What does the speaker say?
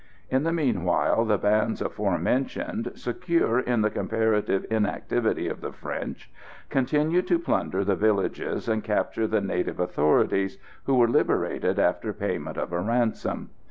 In the meanwhile, the bands aforementioned, secure in the comparative inactivity of the French, continued to plunder the villages and capture the native authorities, who were liberated after payment of a ransom.